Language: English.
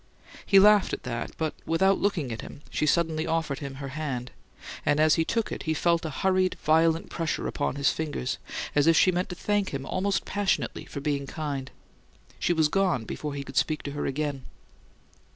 He laughed at that; but without looking at him she suddenly offered him her hand, and, as he took it, he felt a hurried, violent pressure upon his fingers, as if she meant to thank him almost passionately for being kind. She was gone before he could speak to her again.